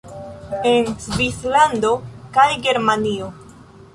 En Svislando kaj Germanio